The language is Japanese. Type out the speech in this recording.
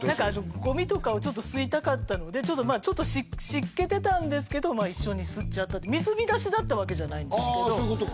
ゴミとかをちょっと吸いたかったのでちょっと湿気てたんですけど一緒に吸っちゃった水浸しだったわけじゃないんですけどあ